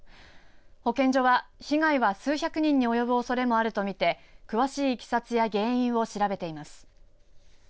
保健所は被害は数百人に及ぶおそれもあると見て詳しいいきさつや原因を調べています。